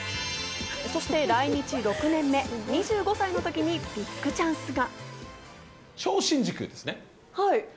そして来日６年目、２５歳のときにビッグチャンスが。